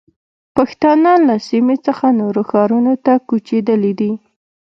پښتانه له سیمې څخه نورو ښارونو ته کوچېدلي دي.